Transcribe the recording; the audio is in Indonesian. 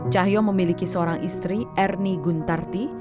cahyo memiliki seorang istri ernie guntarti